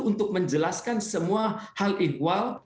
untuk menjelaskan semua hal ihwal